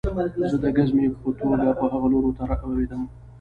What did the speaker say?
زه د ګزمې په توګه په هغه لور ورتاوېدم